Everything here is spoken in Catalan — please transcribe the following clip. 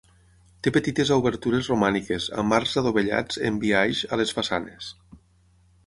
Té petites obertures romàniques, amb arcs adovellats, en biaix, a les façanes.